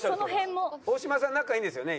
大島さん仲いいんですよね？